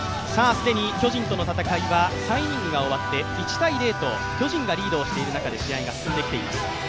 既に巨人との戦いは３イニングが終わって１−０と巨人がリードしている中で試合が進んできています。